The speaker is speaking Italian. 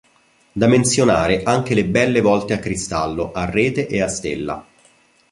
Da menzionare anche le belle volte a cristallo, a rete e a stella.